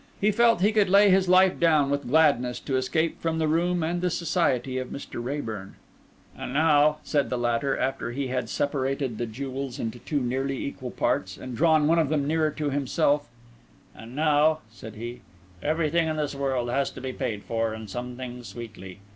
He felt he could lay his life down with gladness to escape from the room and the society of Mr. Raeburn. "And now," said the latter, after he had separated the jewels into two nearly equal parts, and drawn one of them nearer to himself; "and now," said he, "everything in this world has to be paid for, and some things sweetly.